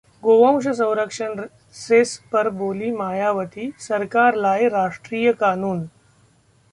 गोवंश संरक्षण सेस पर बोलीं मायावती- सरकार लाए राष्ट्रीय कानून